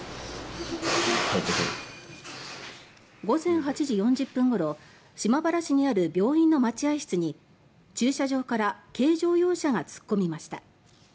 午前８時４０分ごろ島原市にある病院の待合室に駐車場から軽乗用車が突っ込みました。